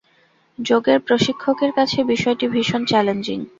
যোগের প্রশিক্ষকের কাছে বিষয়টি ভীষণ চ্যালেঞ্জিং।